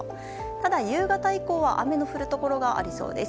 ただ、夕方以降は雨の降るところがありそうです。